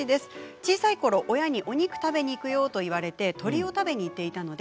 小さいころお肉を食べに行くよと言われて鶏を食べに行っていたので